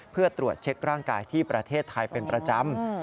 เพื่อตรวจเช็คร่างกายที่ประเทศไทยเป็นประจำ